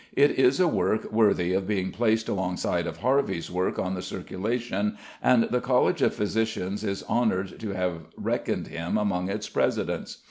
It is a work worthy of being placed alongside of Harvey's work on the Circulation, and the College of Physicians is honoured to have reckoned him among its presidents.